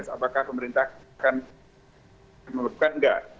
apakah pemerintah akan mengeluhkan enggak